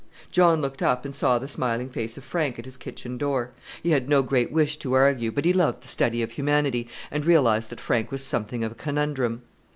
John looked up and saw the smiling face of Frank at his kitchen door. He had no great wish to argue; but he loved the study of humanity, and realized that Frank was something of a conundrum.